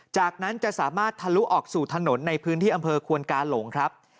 จากนั้นจะสามารถทะลุออกสู่ถนนในพื้นที่อำเภอควนกาหลงครับ